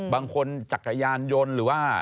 บางคนจักรยานยนต์หรือว่า